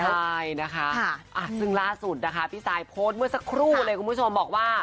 ใช่นะคะซึ่งล่าสุดนะคะพี่ซายโพสต์เมื่อสักครู่เลยคุณผู้ชมบอกว่า